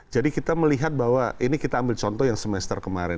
jadi kita melihat bahwa ini kita ambil contoh yang semester kemarin